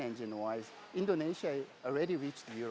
mesin bergas indonesia sudah mencapai eur empat